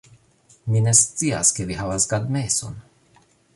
Mi ne scias, ke vi havas gadmeson